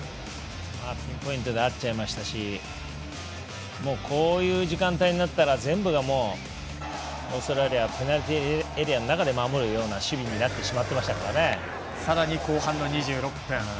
ピンポイントで合っちゃいましたしこういう時間帯になったら全部がオーストラリアペナルティーエリアの中で守るようなさらに後半の２６分。